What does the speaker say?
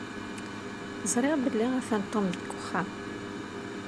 Ẓriɣ belli atan Tom deg wexxam.